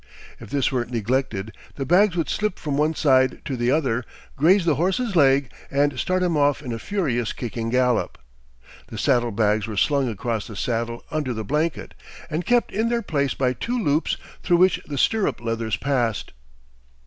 If this were neglected, the bags would slip from one side to the other, graze the horse's leg, and start him off in a "furious kicking gallop." The saddle bags were slung across the saddle under the blanket, and kept in their place by two loops through which the stirrup leathers passed.